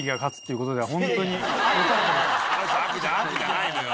悪じゃないのよ。